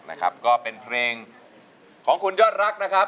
นะครับก็เป็นเพลงของคุณยอดรักนะครับ